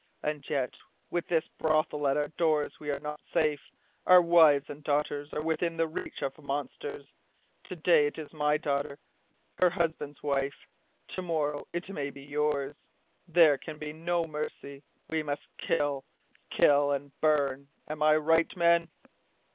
And yet with this brothel at our doors we are not safe, our wives and daughters are within the reach of monsters. To day it is my daughter her husband's wife. To morrow it may be yours. There can be no mercy. We must kill kill and burn! Am I right, men?"